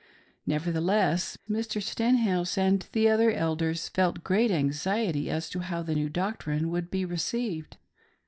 Nevertheless, Mr. Stenhouse and the other Elders felt great anxiety as to how the new doctrine would be received.